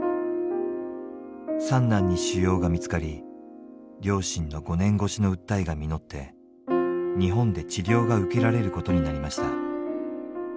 三男に腫瘍が見つかり両親の５年越しの訴えが実って日本で治療が受けられることになりました。